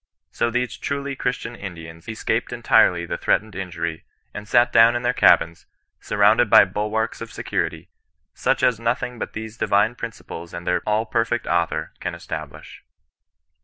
So these truly Christian Indians escaped entirely the threatened injury, and sat down in their cabins, surrounded by bulwarks of security, such as nothing but these divine principles and their all perfect Author can establish.